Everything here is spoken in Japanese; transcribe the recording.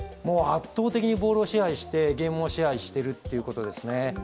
圧倒的にボールを支配してゲームを支配しているということですね。